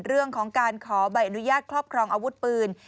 เรื่องของการขอใบอนุญาตครอบครองอาวุธปืน